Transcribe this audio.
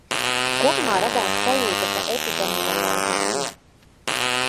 Kopumā radās sajūta, ka epidemiologi zina.